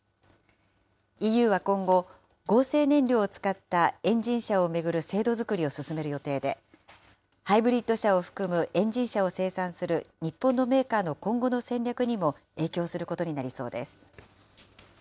ＥＵは今後、合成燃料を使ったエンジン車を巡る制度作りを進める予定で、ハイブリッド車を含むエンジン車を生産する日本のメーカーの今後の戦略にも影響することになりそうです。